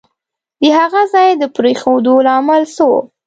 د هغه ځای د پرېښودو لامل څه وو؟